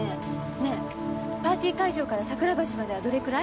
ねえパーティー会場から桜橋まではどれくらい？